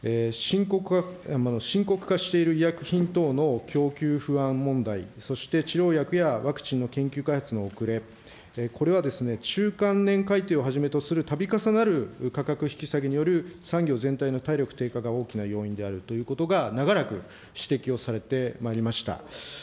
深刻化している医薬品等の供給不安問題、そして治療薬やワクチンの研究開発の遅れ、これはですね、中間年改定をはじめとするたび重なる価格引き下げによる産業全体の体力低下が大きな要因であるということが、長らく指摘をされてまいりました。